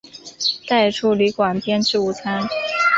带出旅馆边吃午餐